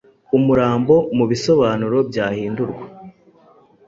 umurambo mubisobanuro byahindurwa